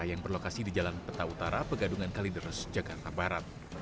yang berlokasi di jalan peta utara pegadungan kalideres jakarta barat